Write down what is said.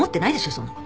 そんな事。